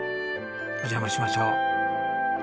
お邪魔しましょう。